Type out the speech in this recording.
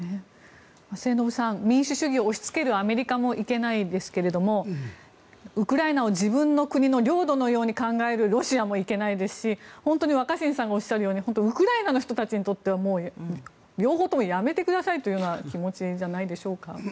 末延さん民主主義を押しつけるアメリカもいけないですけどウクライナを自分の国の領土のように考えるロシアもいけないですし本当に若新さんがおっしゃるようにウクライナの人たちにとっては両方ともやめてくださいというような気持ちじゃないでしょうか。